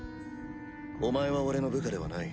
お前は俺の部下ではない。